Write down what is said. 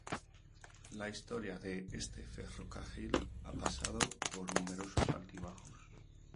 La historia de este ferrocarril ha pasado por numerosos altibajos.